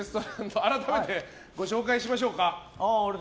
改めて、ご紹介しましょうか。